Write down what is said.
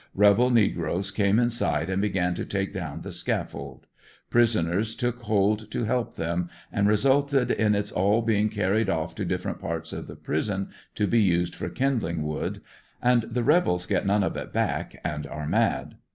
Rebel ne groes came inside and began to take down the scaffold; prisoners took hold to help them and resulted in its all being carried off to different parts of the prison to be used for kindling wood, and the rebels get none of it back and are mad.